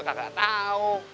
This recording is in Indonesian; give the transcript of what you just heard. ya gue kagak tau